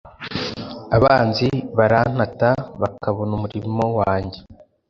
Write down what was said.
Abanzi barantata bakabona umurimo wanjye